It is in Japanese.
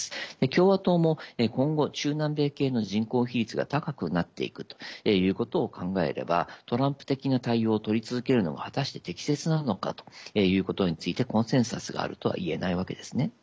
共和党も今後中南米系の人口比率が高くなっていくということを考えれば、トランプ的な対応をとり続けるのが、果たして適切なのかということについてコンセンサスがあるとはいえないわけですね。